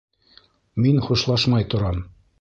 Мин хушлашмай торам.